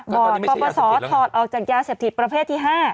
บอกว่ากรปปสอดถอดออกจากยาเสพสติดประเภทที่๕